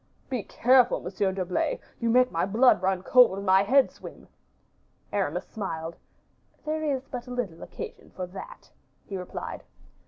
"Be careful, Monsieur d'Herblay, you make my blood run cold, and my head swim." Aramis smiled. "There is but little occasion for that," he replied.